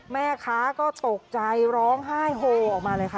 แม่ค้าก็ตกใจร้องไห้โฮออกมาเลยค่ะ